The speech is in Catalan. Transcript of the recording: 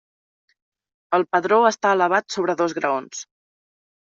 El padró està elevat sobre dos graons.